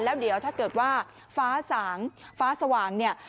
แล้วเดี๋ยวถ้าเกิดว่าฟ้าสางฟ้าสว่างเนี่ย